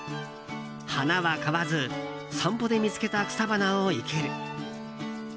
花は買わず散歩で見つけた草花を生ける。